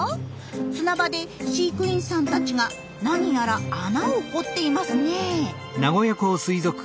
砂場で飼育員さんたちがなにやら穴を掘っていますね。